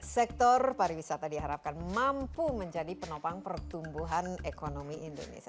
sektor pariwisata diharapkan mampu menjadi penopang pertumbuhan ekonomi indonesia